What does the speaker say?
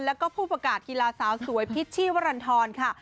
แล้วก็ผู้ประกาศกีฬาสาวสวยพิษชี่วรรณฑรค่ะ